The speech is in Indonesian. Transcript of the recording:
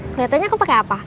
kelihatannya kamu pakai apa